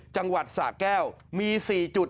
จังหวัดสะแก้วมี๔จุด